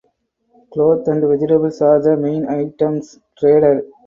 Cloth and vegetables are the main items traded.